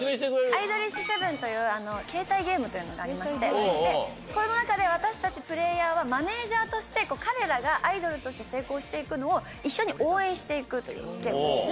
『アイドリッシュセブン』というケータイゲームというのがありましてこれの中で私たちプレーヤーはマネジャーとして彼らがアイドルとして成功して行くのを一緒に応援して行くというゲームなんですね。